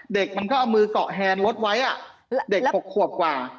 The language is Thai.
เด็กมันก็เอามือเกาะแฮนรถไว้เด็ก๖ขวบกว่า